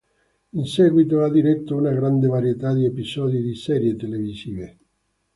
In seguito ha diretto una grande varietà di episodi di serie televisive.